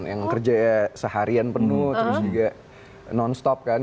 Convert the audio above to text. yang kerja ya seharian penuh terus juga non stop kan